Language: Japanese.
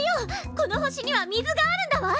この星には水があるんだわ！